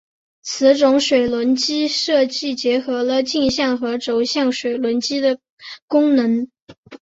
此种水轮机设计结合了径向和轴向水轮机的功能。